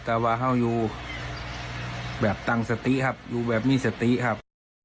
แต่ว่าเขาอยู่แบบตั้งสติครับอยู่แบบมีสติครับ